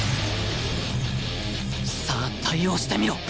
さあ対応してみろ！